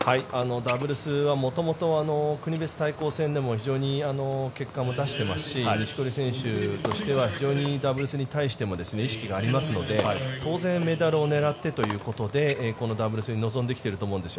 ダブルスは元々、国別対抗戦でも非常に結果も出していますし錦織選手としては非常にダブルスに対しても意識がありますので当然、メダルを狙ってということでこのダブルスに臨んできていると思うんです。